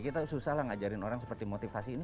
kita susah lah ngajarin orang seperti motivasi ini